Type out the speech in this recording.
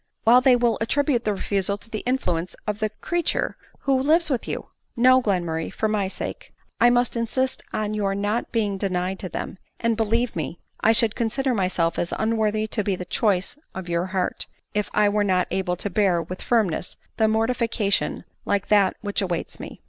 " While they will attribute the refusal to the influence of the creature who lives with you ! No, Glenmurray, for my sake, I must insist on your not being denied to them ; and, believe me, I should consider, myself as unworthy to be the choice of your heart, if I were not able to bear with firmness a mortification like that which awaits me."